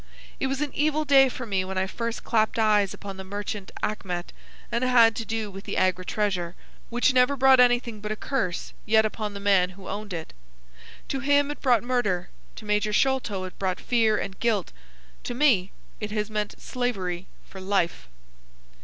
It was an evil day for me when first I clapped eyes upon the merchant Achmet and had to do with the Agra treasure, which never brought anything but a curse yet upon the man who owned it. To him it brought murder, to Major Sholto it brought fear and guilt, to me it has meant slavery for life."